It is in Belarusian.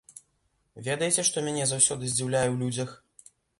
Ведаеце, што мяне заўсёды здзіўляе ў людзях?